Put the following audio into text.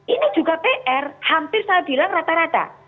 ini juga pr hampir saya bilang rata rata